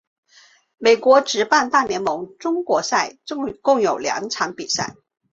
美国职棒大联盟中国赛共有两场比赛。